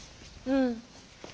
うん。